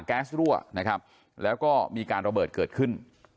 แก๊สรั่วนะครับแล้วก็มีการระเบิดเกิดขึ้น